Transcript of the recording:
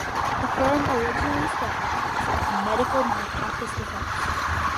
The firm originally specialized in medical malpractice defense.